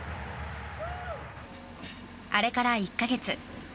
あれから１か月。